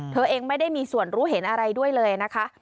เธอเองไม่ได้มีส่วนรู้เห็นอะไรด้วยเลยนะคะ